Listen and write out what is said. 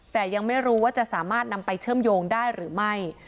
แต่ยังไม่รู้ว่าจะสามารถนำไปเชื่อมโยงได้หรือไม่